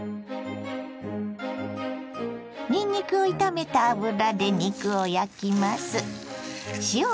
にんにくを炒めた油で肉を焼きます。